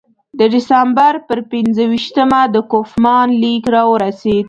د ډسامبر پر پنځه ویشتمه د کوفمان لیک راورسېد.